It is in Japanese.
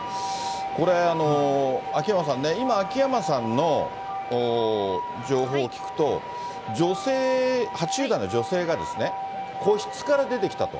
これ、秋山さんね、今、秋山さんの情報を聞くと、８０代の女性が個室から出てきたと。